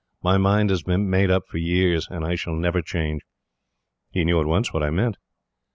My mind has been made up for years, and I shall never change.' "He knew at once what I meant.